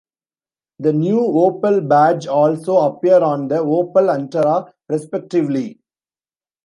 The new Opel badge also appear on the Opel Antara, respectively.